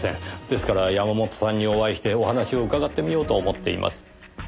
ですから山本さんにお会いしてお話を伺ってみようと思っています。